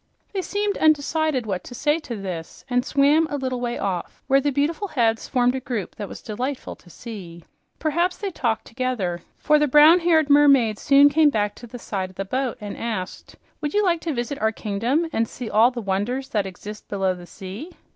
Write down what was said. They seemed undecided what to say to this and swam a little way off, where the beautiful heads formed a group that was delightful to see. Perhaps they talked together, for the brown haired mermaid soon came back to the side of the boat and asked, "Would you like to visit our kingdom and see all the wonders that exist below the sea?"